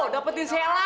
kayu silahkan apa